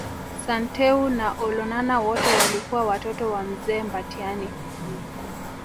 Santeu na Olonana wote walikuwa Watoto wa mzee Mbatiany